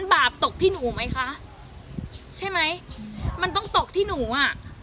บาปตกที่หนูไหมคะใช่ไหมมันต้องตกที่หนูอ่ะ